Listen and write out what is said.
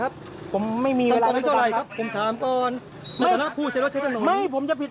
ไม่ถ้าไม่มีในรถคือไม่มี